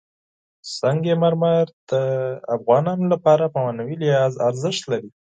سنگ مرمر د افغانانو لپاره په معنوي لحاظ ارزښت لري.